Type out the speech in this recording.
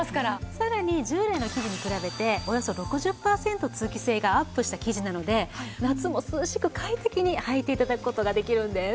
さらに従来の生地に比べておよそ６０パーセント通気性がアップした生地なので夏も涼しく快適にはいて頂く事ができるんです。